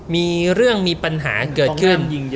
มีเรื่องมีปัญหาเกิดขึ้น